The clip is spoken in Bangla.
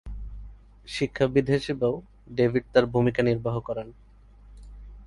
শিক্ষাবিদ হিসেবেও ডেভিড তাঁর ভূমিকা নির্বাহ করেন।